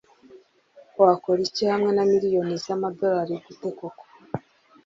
Wakora iki hamwe na miliyoni z'amadolari gute koko